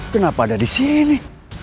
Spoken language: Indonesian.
kenapa ada disini